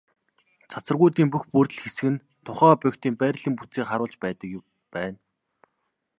Цацрагуудын бүх бүрдэл хэсэг нь тухайн объектын байрлалын бүтцийг харуулж байдаг байна.